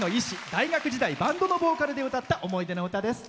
大学時代、バンドのボーカルで歌った思い出の歌です。